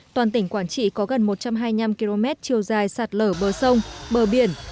toàn tỉnh quảng trị có gần một trăm hai mươi năm km chiều dài sạt lở bờ sông bờ biển